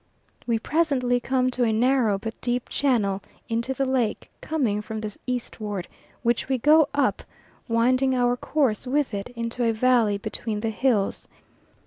We presently come to a narrow but deep channel into the lake coming from the eastward, which we go up, winding our course with it into a valley between the hills.